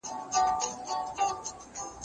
معادن زموږ طبیعي پانګه ده.